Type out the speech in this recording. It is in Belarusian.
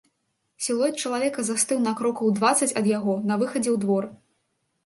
Сілуэт чалавека застыў на крокаў дваццаць ад яго, на выхадзе ў двор.